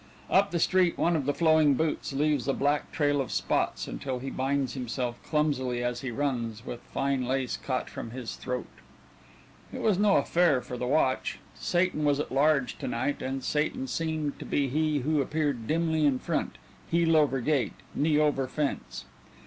Up the street one of Flowing Boots leaves a black trail of spots until he binds himself, clumsily as he runs, with fine lace caught from his throat. It was no affair for the watch: Satan was at large tonight and Satan seemed to be he who appeared dimly in front, heel over gate, knee over fence.